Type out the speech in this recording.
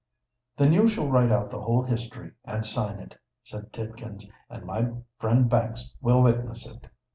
"Then you shall write out the whole history, and sign it," said Tidkins; "and my friend Banks will witness it."